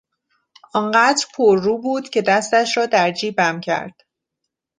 آنقدر پررو بود که دستش را در جیبم کرد.